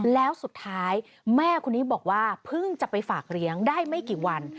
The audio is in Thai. แล้วสุดท้ายแม่คนนี้บอกว่าเพิ่งจะไปฝากเลี้ยงได้ไม่กี่วัน